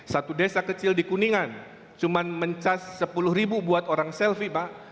satu desa kecil di kuningan cuma mencas sepuluh ribu buat orang selfie pak